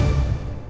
terima kasih pak